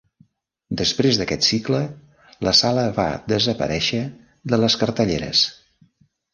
Després d'aquest cicle, la sala va desaparèixer de les cartelleres.